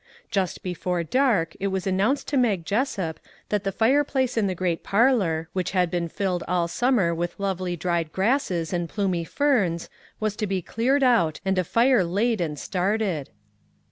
Just before dark it was an nounced to Mag Jessup that the fire place in the great parlor, which had been filled all summer with lovely dried grasses and plumy ferns, was to be cleared out and a fire laid and started.